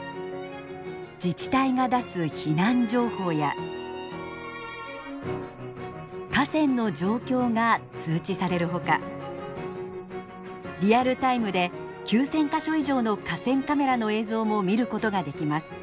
自治体が出す避難情報や河川の状況が通知されるほかリアルタイムで９，０００か所以上の河川カメラの映像も見ることができます。